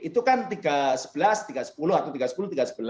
itu kan tiga sebelas tiga ratus sepuluh atau tiga sepuluh tiga sebelas